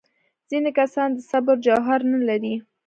ځینې کسان د صبر جوهر نه لري.